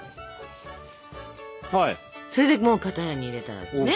それでもう型に入れたらね。